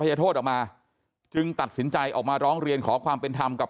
โทษออกมาจึงตัดสินใจออกมาร้องเรียนขอความเป็นธรรมกับ